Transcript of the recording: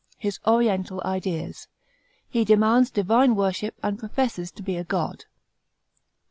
His oriental ideas. He demands divine worship and professes to be a god.